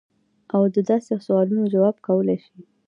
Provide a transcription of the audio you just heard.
او د داسې سوالونو جواب کولے شي -